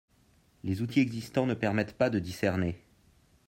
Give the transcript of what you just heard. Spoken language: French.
Les outils existants ne permettent pas de discerner.